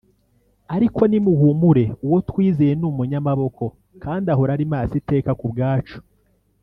ariko nimuhumure uwo twizeye ni umunyamaboko kandi ahora ari maso iteka kubwacu